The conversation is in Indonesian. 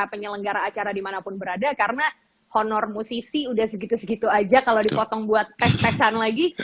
penyelenggara acara dimanapun berada karena honor musisi udah segitu segitu aja kalau dipotong buat tes tesan lagi